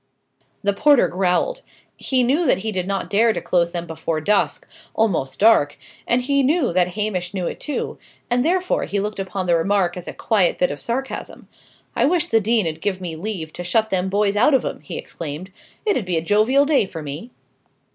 The porter growled. He knew that he did not dare to close them before dusk, almost dark, and he knew that Hamish knew it too; and therefore he looked upon the remark as a quiet bit of sarcasm. "I wish the dean 'ud give me leave to shut them boys out of 'em," he exclaimed. "It 'ud be a jovial day for me!"